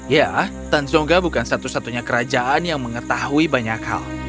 ya tan zongga bukan satu satunya kerajaan yang mengetahui banyak hal